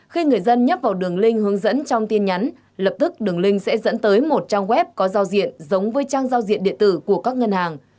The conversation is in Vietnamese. khi người dân nhấp vào đường link hướng dẫn trong tin nhắn lập tức đường link sẽ dẫn tới một trang web có giao diện giống với trang giao diện địa tử của các ngân hàng